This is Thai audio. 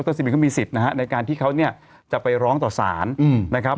ดรเซปปิงก็มีสิทธิ์นะฮะในการที่เขาเนี้ยจะไปร้องต่อศาลนะครับ